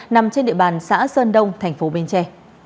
nằm trên địa bàn xã sơn đông tp bến tre